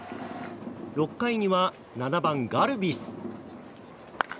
６回には７番、ガルビス。